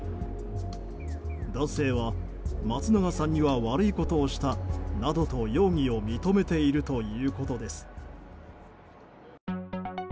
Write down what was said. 男性は、松永さんには悪いことをしたなどと容疑を認めているということです。